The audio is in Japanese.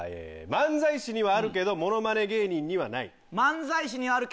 漫才師にはあるけどものまね芸人にはない。